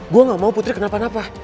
gue gak mau putri kenapa napa